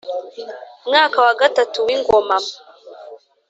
mwaka wa gatatu w ingoma